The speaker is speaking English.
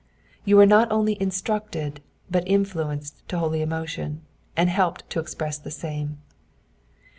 You are not only instructed, but influenced to holy emotion, and helped to express the same.